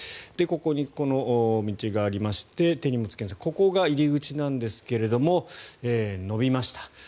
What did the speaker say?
ここに道がありまして手荷物検査ここが入り口なんですが延びました。